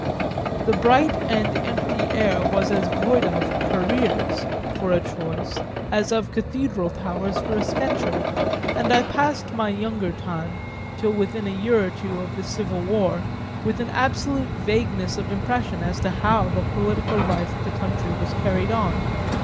The bright and empty air was as void of "careers" for a choice as of cathedral towers for a sketcher, and I passed my younger time, till within a year or two of the Civil War, with an absolute vagueness of impression as to how the political life of the country was carried on.